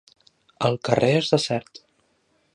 El carrer és desert.